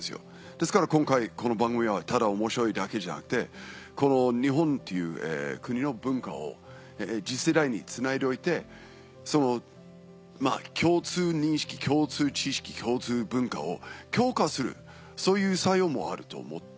ですから今回この番組はただ面白いだけじゃなくてこの日本っていう国の文化を次世代につないでおいてその共通認識共通知識共通文化を強化するそういう作用もあると思って。